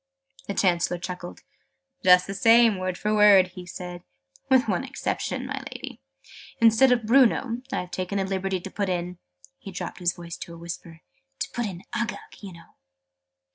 The Chancellor chuckled. "Just the same, word for word," he said, "with one exception, my Lady. Instead of 'Bruno,' I've taken the liberty to put in " he dropped his voice to a whisper, "to put in 'Uggug,' you know!"